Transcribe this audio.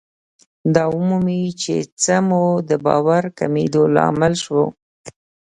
دا ومومئ چې څه مو د باور کمېدو لامل شو.